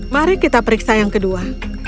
mari kita periksa yang kedua